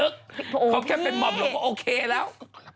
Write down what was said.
เขาแค่เป็นหม่อมหลวงว่าโอเคแล้ว